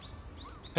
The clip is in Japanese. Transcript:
え？